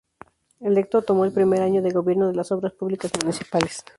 Electo tomó el primer año de gobierno de las Obras Públicas Municipales.